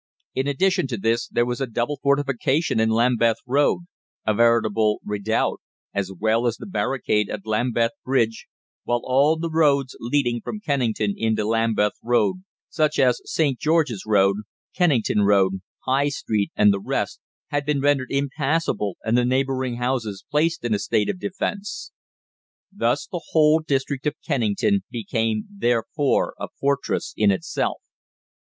In addition to this, there was a double fortification in Lambeth Road a veritable redoubt as well as the barricade at Lambeth Bridge, while all the roads leading from Kennington into the Lambeth Road, such as St. George's Road, Kennington Road, High Street, and the rest, had been rendered impassable and the neighbouring houses placed in a state of defence. Thus the whole district of Kennington became therefore a fortress in itself.